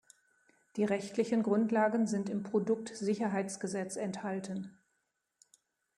Die rechtlichen Grundlagen sind im Produktsicherheitsgesetz enthalten.